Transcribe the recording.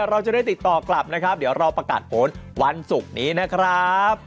เราจะได้ติดต่อกลับนะครับเดี๋ยวเราประกาศผลวันศุกร์นี้นะครับ